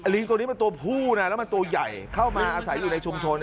ลิงตัวนี้มันตัวผู้นะแล้วมันตัวใหญ่เข้ามาอาศัยอยู่ในชุมชน